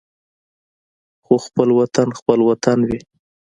خو خپل وطن خپل وطن وي.